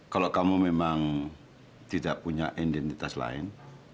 kalau kamu memang tidak punya identitas lain